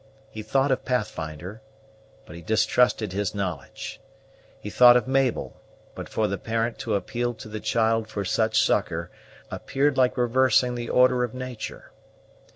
He thought of Pathfinder, but he distrusted his knowledge. He thought of Mabel, but for the parent to appeal to the child for such succor appeared like reversing the order of nature.